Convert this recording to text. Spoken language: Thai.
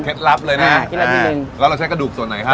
ถ้าเอาเคล็ดลับเลยนะครับแล้วเราใช่กระดูกส่วนไหนครับ